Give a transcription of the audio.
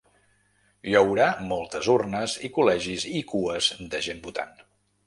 Hi haurà moltes urnes i col·legis i cues de gent votant.